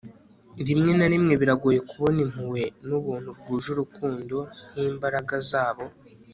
rimwe na rimwe biragoye kubona impuhwe n'ubuntu bwuje urukundo nk'imbaraga zabo